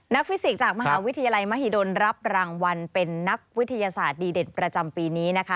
ฟิสิกส์จากมหาวิทยาลัยมหิดลรับรางวัลเป็นนักวิทยาศาสตร์ดีเด่นประจำปีนี้นะคะ